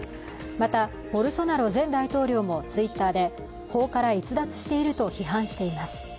またボルソナロ前大統領もＴｗｉｔｔｅｒで法から逸脱していると批判しています。